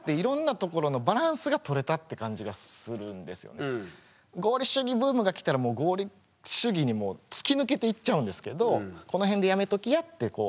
何かだからすごくその合理主義ブームが来たらもう合理主義に突き抜けていっちゃうんですけどこのへんでやめときやってこう。